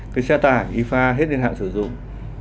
cái xe tải ifa hết miên hạn sử dụng